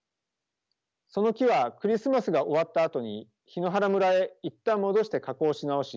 その木はクリスマスが終わったあとに檜原村へ一旦戻して加工し直し